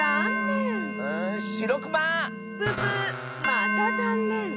またざんねん。